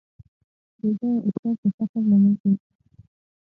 بېځایه اسراف د فقر لامل ګرځي.